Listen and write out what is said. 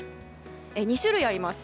２種類あります。